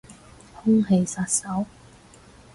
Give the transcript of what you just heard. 空氣殺手